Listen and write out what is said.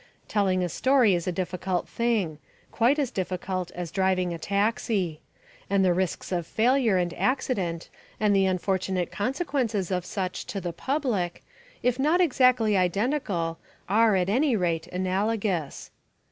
Telling a story is a difficult thing quite as difficult as driving a taxi. And the risks of failure and accident and the unfortunate consequences of such to the public, if not exactly identical, are, at any rate, analogous.